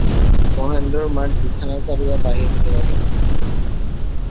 মহেন্দ্র মার বিছানা ছাড়িয়া বাহির হইয়া গেল।